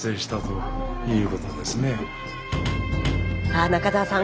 さあ中澤さん